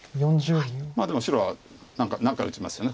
まあでも白は何か打ちますよね